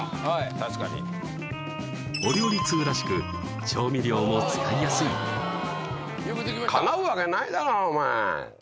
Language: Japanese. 確かにお料理通らしく調味料も使いやすいかなうわけないだろお前